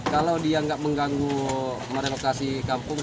kalau dia nggak mengganggu merelokasi kampung